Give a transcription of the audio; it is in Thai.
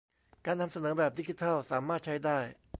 การนำเสนอแบบดิจิทัลสามารถใช้ได้